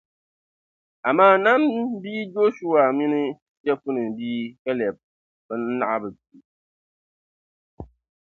Amaa Nan bia Jɔshua mini Jɛfune bia Kalɛb bɛn naɣi bi kpi.